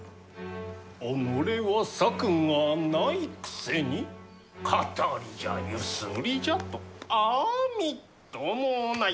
己は策がないくせに騙りじゃゆすりじゃとあみっともない。